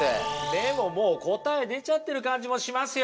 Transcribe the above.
でももう答え出ちゃってる感じもしますよ。